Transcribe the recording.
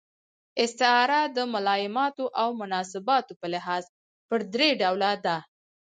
استعاره د ملایماتو او مناسباتو په لحاظ پر درې ډوله ده.